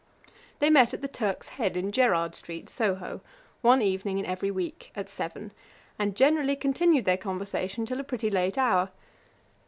They met at the Turk's Head, in Gerrard street, Soho, one evening in every week, at seven, and generally continued their conversation till a pretty late hour.